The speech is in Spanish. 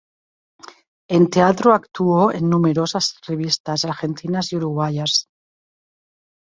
En teatro actuó en numerosas revistas argentinas y uruguayas.